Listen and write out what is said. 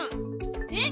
えっ？